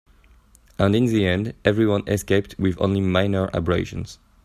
And in the end, everyone escaped with only minor abrasions.